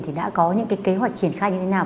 thì đã có những cái kế hoạch triển khai như thế nào